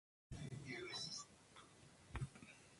Se juega con dos o cuatro martillos.